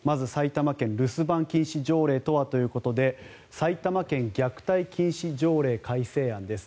まず、埼玉県留守番禁止条例はということで埼玉県虐待禁止条例改正案です。